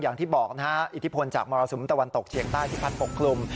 อย่างที่บอกนะฮะอิทธิพลจากมรสุมตะวันตกเฉียงใต้ที่พัดปกคลุม